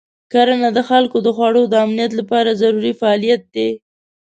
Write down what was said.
کرنه د خلکو د خوړو د امنیت لپاره ضروري فعالیت دی.